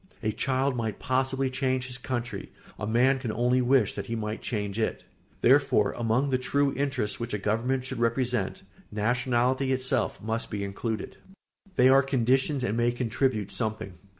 A child might possibly change his country; a man can only wish that he might change it. Therefore, among the true interests which a government should represent, nationality itself must be included. [Sidenote: They are conditions and may contribute something.